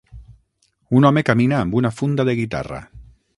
Un home camina amb una funda de guitarra.